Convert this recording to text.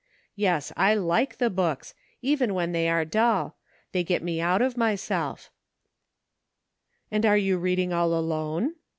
Yes, I like the books, even when they are dull ; they get me out of myself." " And are you reading all alone